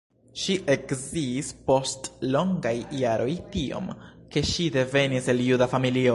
Ŝi eksciis post longaj jaroj tion, ke ŝi devenis el juda familio.